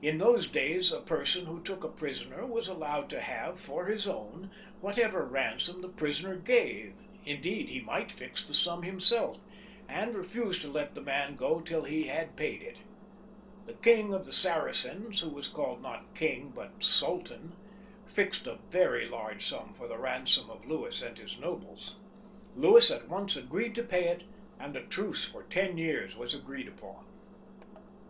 In those days a person who took a prisoner was allowed to have, for his own, whatever ransom the prisoner gave ; indeed, he might fix the sum himself, and refuse to let the man go till he had paid it. The King of the Saracens, who was called not king, but Sultan, fixed a very large sum for the ransom of Louis and his nobles. Louis at once agreed to pay it, and a truce for ten years was agreed upon.